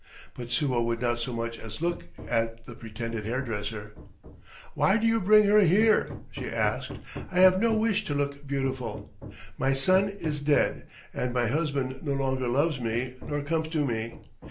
But Suo would not so much as look at the pretended hairdresser. "Why do you bring her here?" she asked. "I have no wish to look beautiful. My son is dead and my husband no longer loves me nor comes to me.